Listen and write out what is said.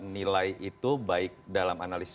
nilai itu baik dalam analisis